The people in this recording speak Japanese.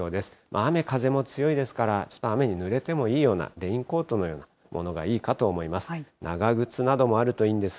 雨、風も強いですから、ちょっと雨にぬれてもいいようなレインコートのようなものがいいかと思います。